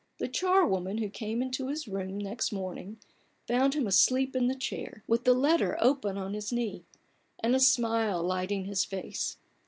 The char woman who came into his room next morning, found him asleep in the chair, THE BARGAIN OF RUPERT ORANGE. 25 with the letter open on his knee, and a smile lighting his face.